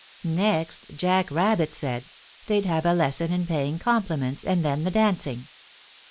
] Next, Jack Rabbit said, they'd have a lesson in paying compliments, and then the dancing.